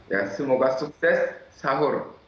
ya semoga sukses sahur